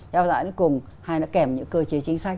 theo dõi đến cùng hay nó kèm những cơ chế chính sách